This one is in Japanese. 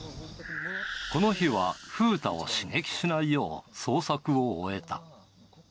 この日はふうたを刺激しないよう捜索を終えた。